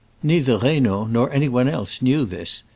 Neither Reynaud nor any one else knew this.